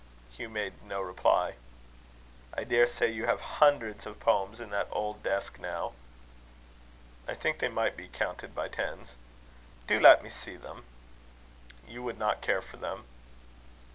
Hugh made no reply. "I daresay you have hundreds of poems in that old desk, now?" "I think they might be counted by tens." "Do let me see them." "You would not care for them."